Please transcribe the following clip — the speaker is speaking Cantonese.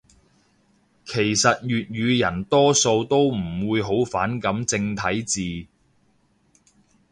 其實粵語人多數都唔會好反感正體字